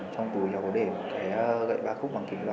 trong túi cháu có để một cái gậy bà khúc bằng tim loại